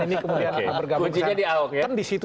ini kemudian bergabungkan kan disitu